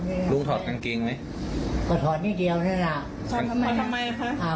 นั่นแปลกถึงว่าเกินเกงของลุงไม่ใช่เกินเกงของน้องเขา